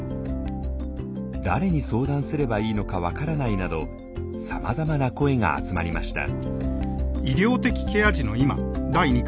「誰に相談すればいいのか分からない」などさまざまな声が集まりました。